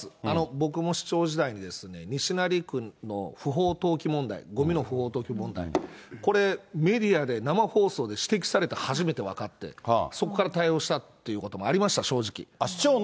僕も市長時代にですね、西成区の不法投棄問題、ごみの不法投棄問題、これ、メディアで生放送で指摘されて初めて分かって、そこから対応したっていうこともありました、正直。